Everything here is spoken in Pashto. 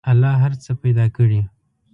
الله هر څه پیدا کړي.